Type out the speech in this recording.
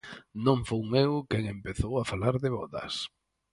Non fun eu quen empezou a falar de vodas.